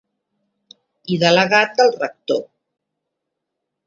I delegat del rector.